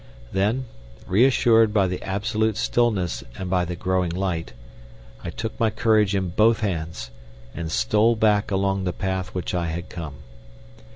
Then, reassured by the absolute stillness and by the growing light, I took my courage in both hands and stole back along the path which I had come.